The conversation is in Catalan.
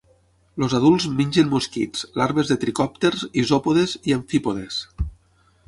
Els adults mengen mosquits, larves de tricòpters, isòpodes i amfípodes.